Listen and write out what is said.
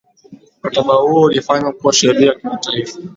mkataba huo ulifanywa kuwa sheria ya kimataifa